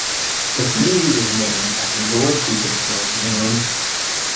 The community was named after Lord Beaconsfield of England.